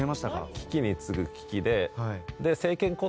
危機に次ぐ危機で。